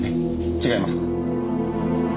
違いますか？